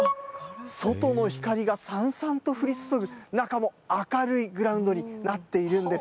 外の光が、さんさんと降り注ぐ中も明るいグラウンドになっているんです。